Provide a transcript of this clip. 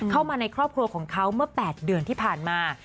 เข้ามาในครอบครัวของเขาเมื่อ๘เดือนที่ผ่านมา